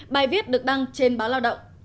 bài viết được đăng trên báo lao động